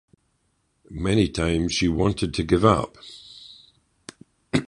Many times she wanted to give up.